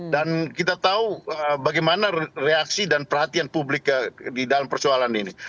dan kita tahu bagaimana reaksi dan perhatian publik di dalam persoalan ini